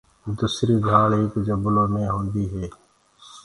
دُسري گھآݪ ایک جبلو مي هوندي هي۔